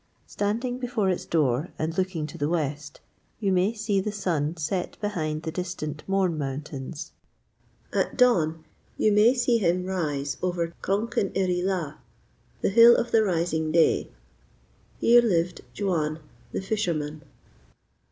Standing before its door and looking to the west, you may see the sun set behind the distant Mourne Mountains. At dawn you may see him rise over Cronk yn Irree Laa, the Hill of the Rising Day. Here lived Juan, the fisherman.